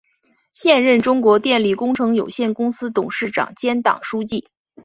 现任中国电力工程有限公司董事长兼党书记。